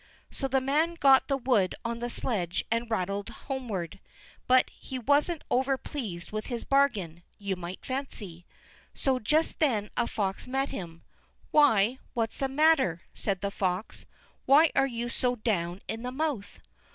So the man got the wood on the sledge and rattled homeward, but he wasn't over pleased with his bargain, you may fancy. So just then a fox met him. "Why, what's the matter?" said the fox. "Why are you so down in the mouth?"